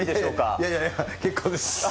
いやいや、結構です。